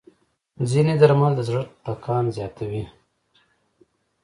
ځینې درمل د زړه ټکان زیاتوي.